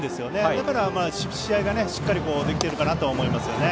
だから試合がしっかりできているかなと思いますね。